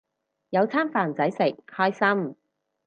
有餐飯仔食，開心